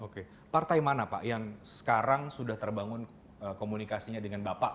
oke partai mana pak yang sekarang sudah terbangun komunikasinya dengan bapak